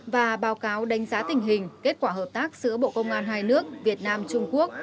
và báo cáo đánh giá tình hình kết quả hợp tác giữa bộ công an hai nước việt nam trung quốc